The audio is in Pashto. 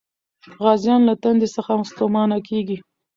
غازيان له تندې څخه ستومانه کېږي.